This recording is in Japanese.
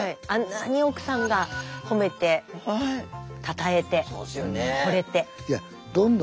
あんなに奥さんが褒めてたたえてほれて。